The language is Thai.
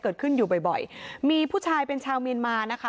เกิดขึ้นอยู่บ่อยบ่อยมีผู้ชายเป็นชาวเมียนมานะคะ